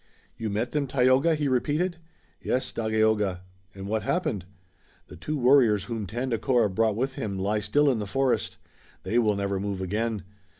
"You met them, Tayoga?" he repeated. "Yes, Dagaeoga." "And what happened?" "The two warriors whom Tandakora brought with him lie still in the forest. They will never move again.